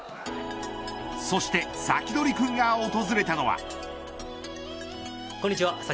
そしてサキドリくんが訪れたのは。